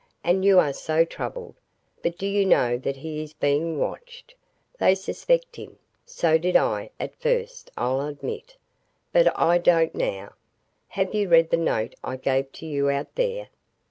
And you are so troubled. But do you know that he is being watched? They suspect him. So did I, at first, I'll admit it. But I don't now. Have you read the note I gave to you out there?"